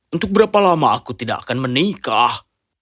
untuk berapa lama aku tidak akan menikah